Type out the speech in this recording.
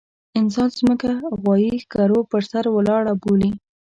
انسان ځمکه غوايي ښکرو پر سر ولاړه بولي.